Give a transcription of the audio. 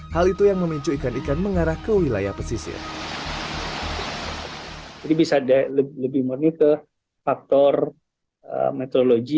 hal itu yang memicu ikan ikan mengarah ke wilayah pesisir jadi bisa lebih murni ke faktor meteorologi